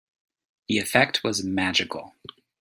The effect was magical.